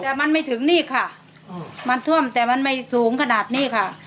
แต่มันไม่ถึงนี่ค่ะมันท่วมแต่มันไม่สูงขนาดนี้ค่ะ